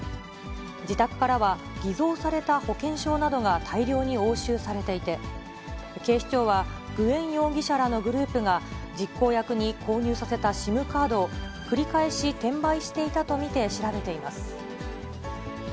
自宅からは偽造された保険証などが大量に押収されていて、警視庁はグエン容疑者らのグループが、実行役に購入させたＳＩＭカードを繰り返し転売していたと見て調べています。